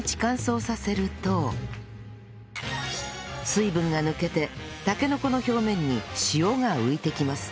水分が抜けてたけのこの表面に塩が浮いてきます